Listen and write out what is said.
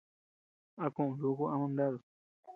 A kuu nuku ama mnadu.